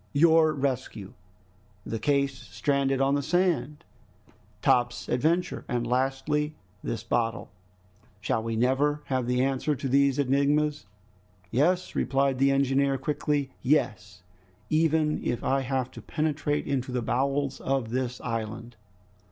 Your rescue, the case stranded on the sand, Top's adventure, and lastly this bottle... Shall we never have the answer to these enigmas?" "Yes!" replied the engineer quickly, "yes, even if I have to penetrate into the bowels of this island!"